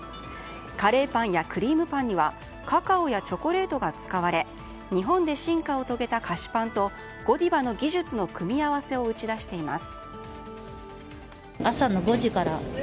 カレーパンやクリームパンにはカカオやチョコレートが使われ日本で進化を遂げた菓子パンとゴディバの技術の組み合わせを打ち出しています。